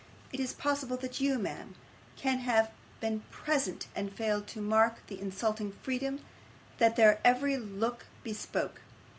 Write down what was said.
Is it possible that you, ma'am, can have been present, and failed to mark the insulting freedom that their every look bespoke?